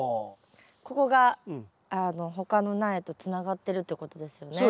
ここが他の苗とつながってるってことですよね。